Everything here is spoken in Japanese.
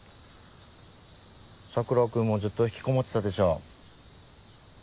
桜君もずっと引きこもってたでしょ。